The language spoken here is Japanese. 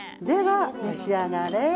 では、召し上がれ。